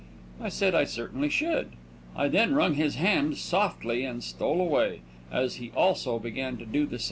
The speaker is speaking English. I said I certainly should. I then wrung his hand softly and stole away, as he also began to do the same thing.